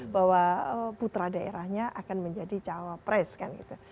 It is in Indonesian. bahwa putra daerahnya akan menjadi cawapres kan gitu